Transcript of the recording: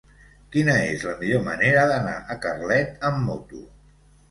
Quina és la millor manera d'anar a Carlet amb moto?